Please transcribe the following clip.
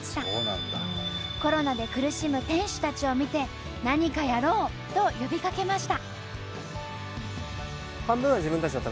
コロナで苦しむ店主たちを見て「何かやろう」と呼びかけました。